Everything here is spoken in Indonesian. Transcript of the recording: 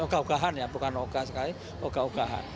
ogah ogahan ya bukan ogah sekali ogah ogahan